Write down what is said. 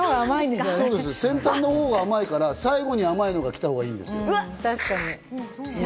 先端のほうが甘いから、最後に甘いのが来たほうがいいんですよ。